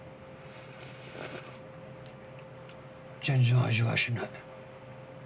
全然味がしない。